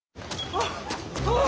あっ！